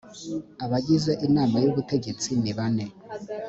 abagize inama y ubutegetsi nibane